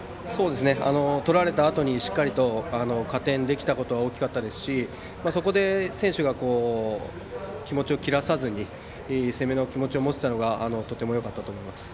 取られたあとにしっかりと加点できたことは大きかったですし、そこで選手が気持ちを切らさず攻めの気持ちを持てたのがとてもよかったと思います。